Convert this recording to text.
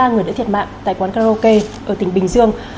ba mươi ba người đã thiệt mạng tại quán karaoke ở tỉnh bình dương